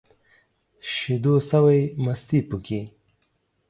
شيدو سوى ، مستې پوکي.